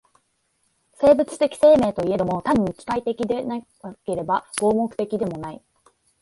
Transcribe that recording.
生物的生命といえども、単に機械的でもなければ合目的的でもない。